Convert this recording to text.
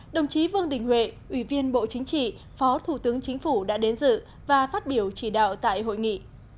đồng chí vương đình huệ ủy viên bộ chính trị phó thủ tướng chính phủ đã đến dự và phát biểu chỉ đạo tại hội nghị